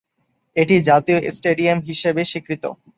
এটি জাতীয় স্টেডিয়াম হিসেবে স্বীকৃত।